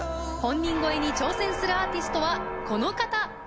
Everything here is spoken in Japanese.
本人超えに挑戦するアーティストはこの方。